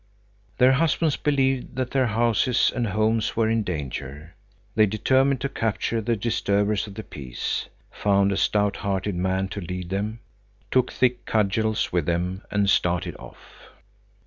Their husbands believed that their houses and homes were in danger. They determined to capture the disturbers of the peace, found a stout hearted man to lead them, took thick cudgels with them and started off.